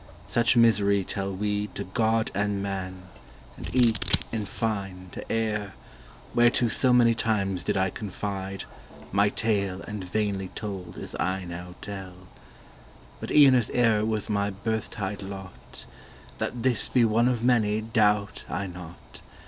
Such misery tell we To God and Man, and eke, in fine, to air, Whereto so many times did I confide My tale and vainly told as I now tell; But e'en as error was my birthtide lot, That this be one of many doubt I not.